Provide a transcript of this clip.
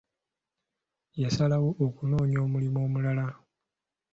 Yasalawo okunoonya omulimu omulala.